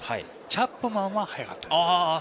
チャップマンは速かった。